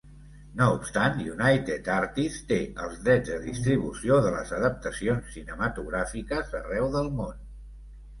No obstant, United Artists té els drets de distribució de les adaptacions cinematogràfiques arreu del món.